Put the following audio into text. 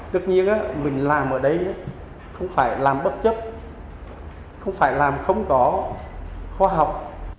tất nhiên mình làm ở đây không phải làm bất chấp không phải làm không có khoa học